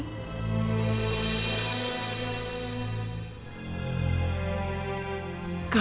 masa tiada lupa kak